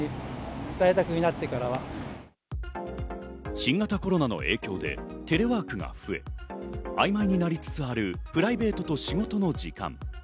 新型コロナの影響でテレワークが増え、曖昧になりつつあるプライベートと仕事の時間。